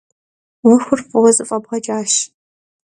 'uexur f'ıue zef'ebğeç'aş.